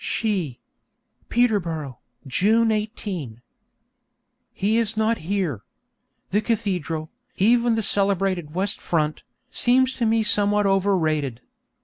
She Peterborough, June 18. He is not here. The cathedral, even the celebrated west front, seems to me somewhat overrated.